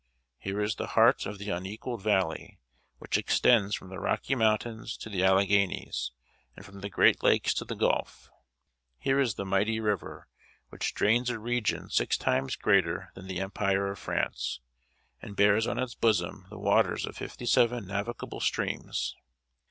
Here is the heart of the unequaled valley, which extends from the Rocky Mountains to the Alleghanies, and from the great lakes to the Gulf. Here is the mighty river, which drains a region six times greater than the empire of France, and bears on its bosom the waters of fifty seven navigable streams.